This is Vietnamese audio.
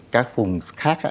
các vùng khác